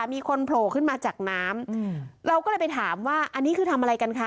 มีคนโผล่ขึ้นมาจากน้ำเราก็เลยไปถามว่าอันนี้คือทำอะไรกันคะ